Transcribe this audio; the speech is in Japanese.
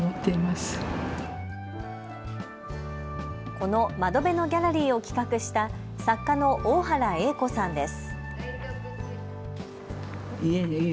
この窓辺のギャラリーを企画した作家の大原瑩子さんです。